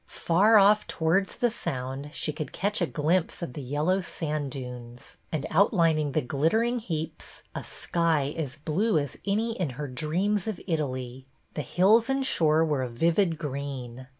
Far off towards the Sound she could catch a glimpse of the yellow sand dunes, and outlining the glittering heaps, a sky as blue as any in her dreams of Italy. The hills and shore were a vivid green.